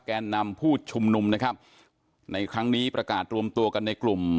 แกนนำผู้ชุมนุมนะครับในครั้งนี้ประกาศรวมตัวกันในกลุ่ม